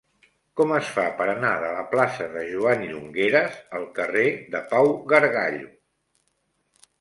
Com es fa per anar de la plaça de Joan Llongueras al carrer de Pau Gargallo?